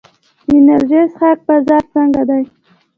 د انرژي څښاک بازار څنګه دی؟